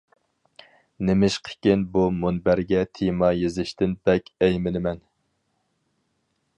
نېمىشقىكىن بۇ مۇنبەرگە تېما يېزىشتىن بەك ئەيمىنىمەن.